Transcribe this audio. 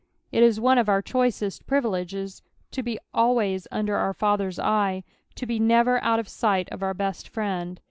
Qt^ia one of our choicest privileges to be alwajH under our Father's eye, to be never out of sight of our best Friend.